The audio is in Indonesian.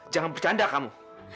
jangan bercanda kamu